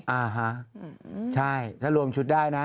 อ่าฮะใช่ถ้ารวมชุดได้นะ